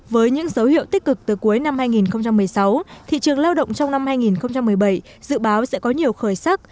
với những dấu hiệu tích cực từ cuối năm hai nghìn một mươi sáu thị trường lao động trong năm hai nghìn một mươi bảy dự báo sẽ có nhiều khởi sắc